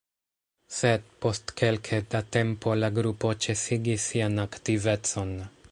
Sed, post kelke da tempo la grupo ĉesigis sian aktivecon.